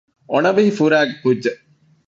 އޮނިވިހި ފުރައިގެ ކުއްޖެއް